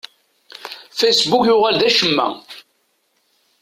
Facebook yuɣal d ccemma.